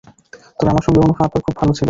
তবে আমার সঙ্গে অনুফা আপার খুব ভাব ছিল।